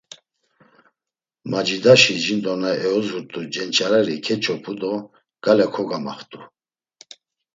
Macidaşi jindo na eozurt̆u cenç̌areri keç̌opu do gale kogamaxt̆u.